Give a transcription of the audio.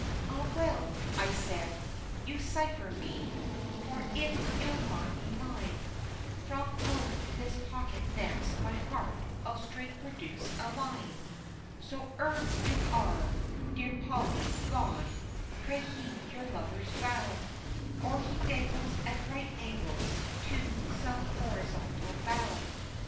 "Ah! well" said I, "you cipher me, for if you'll not be mine From out this pocket next my heart I'll straight produce a line; So ere you are, dear Polly, gone, pray heed your lover's vow, Or he dangles at right angles to some horizontal bough."